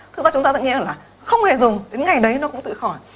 thực ra chúng ta tự nhiên là không hề dùng đến ngày đấy nó cũng tự khỏi